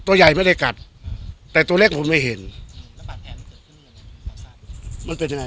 ตัวตัวใหญ่ไม่ได้กัดแต่ตัวเล็กผมไม่เห็นแล้วหมาแท๋มึงจะขึ้น